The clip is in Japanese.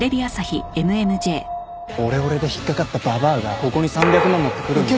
オレオレで引っかかったババアがここに３００万持ってくるんだよ。